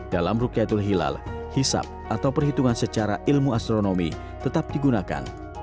dalam rukyatul hilal hisap atau perhitungan secara ilmu astronomi tetap digunakan